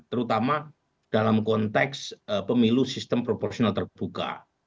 terutama dalam konteks pemilu sistem proporsional terbuka